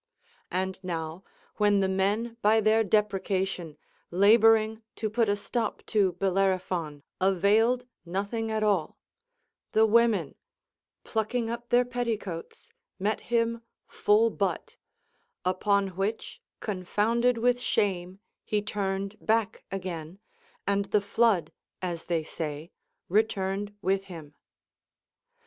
And now, when the men by their deprecation, laboring to put a stop to Bellerophon, availed nothing at all, the women plucking up their petticoats met him full butt ; npon which confounded with shame he turned back again, and the flood, as they say, returned with him.